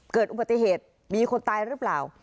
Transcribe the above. เกิดอุบัติเหตุมีคนตายหรือเปล่า